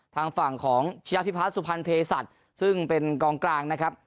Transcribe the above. ทางฝั่งของชะยาพิพัฒนสุพรรณเพศัตริย์ซึ่งเป็นกองกลางนะครับ